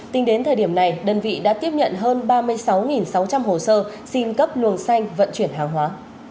tính đến thời điểm này đơn vị đã tiếp nhận hơn ba mươi sáu sáu trăm linh hồ sơ xin cấp luồng xanh vận chuyển hàng hóa